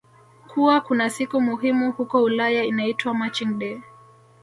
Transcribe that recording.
kuwa kunasiku muhimu huko Ulaya inaitwa marching day